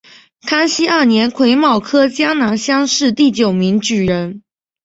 康熙二年癸卯科江南乡试第九名举人。